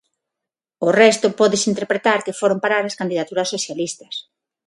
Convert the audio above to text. O resto pódese interpretar que foron parar ás candidaturas socialistas.